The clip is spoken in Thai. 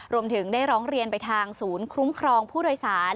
รวมถึงได้ร้องเรียนไปทางศูนย์คุ้มครองผู้โดยสาร